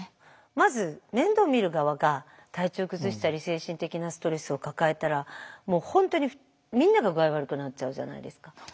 まず面倒見る側が体調崩したり精神的なストレスを抱えたらもう本当にみんなが具合悪くなっちゃうじゃないですか。